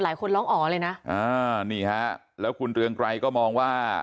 หลายคุณร้องอ๋อเลยน่ะนี่ฮะแล้วคุณเรืองไกรก็มองว่า